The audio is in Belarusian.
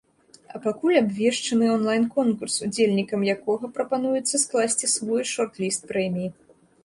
А пакуль абвешчаны онлайн-конкурс, удзельнікам якога прапануецца скласці свой шорт-ліст прэміі.